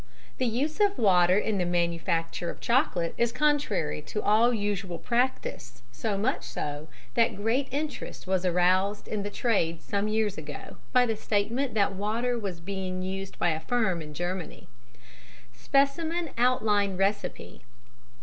The use of water in the manufacture of chocolate is contrary to all usual practice, so much so that great interest was aroused in the trade some years ago by the statement that water was being used by a firm in Germany. SPECIMEN OUTLINE RECIPE.